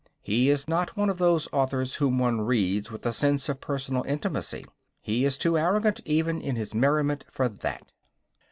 He is not one of those authors whom one reads with a sense of personal intimacy. He is too arrogant even in his merriment for that.